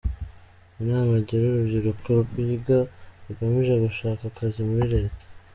Inama agira urubyiruko rwiga rugamije gushaka akazi muri Leta.